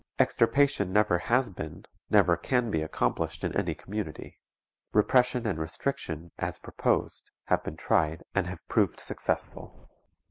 Extirpation never has been, never can be accomplished in any community; repression and restriction, as proposed, have been tried and have proved successful.